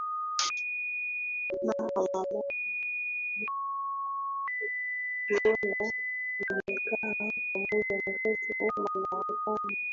mara baada ya kuona wemekaa kwa muda mrefu madarakani